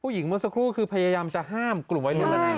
ผู้หญิงเมื่อสักครู่คือพยายามจะห้ามกลุ่มไว้ในร้าน